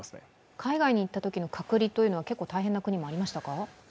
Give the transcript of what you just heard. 海外に行ったときの隔離は大変な国もありましたか？